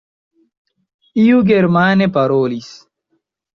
Iu germane parolis.